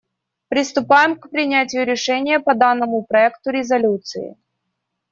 Приступаем к принятию решения по данному проекту резолюции.